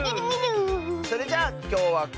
それじゃあきょうはここまで！